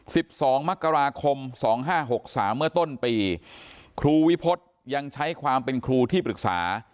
สิบสองมกราคมสองห้าหกสามเมื่อต้นปีครูวิพฤษยังใช้ความเป็นครูที่ปรึกษา